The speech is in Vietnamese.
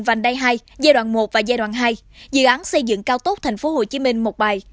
dự án vành đai hai giai đoạn một và giai đoạn hai dự án xây dựng cao tốc tp hcm một bài